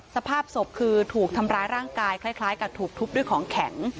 สภาพศพคือถูกทำร้ายร่างกายคล้ายกับถูกทุบด้วยของแข็ง